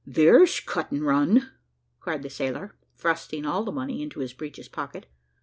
"There's cut and run," cried the sailor, thrusting all the money into his breeches pocket.